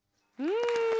うん。